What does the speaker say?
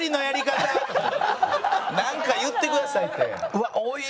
なんか言ってくださいって。